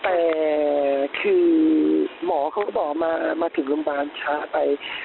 แต่คือหมอเขาก็บอกมาถึงโรงพยาบาลช้าไป